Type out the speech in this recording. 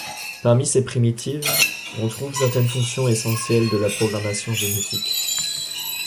Parmi ces primitives on trouve certaines fonctions essentielles de la programmation génétique.